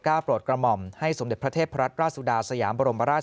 โปรดกระหม่อมให้สมเด็จพระเทพรัตนราชสุดาสยามบรมราช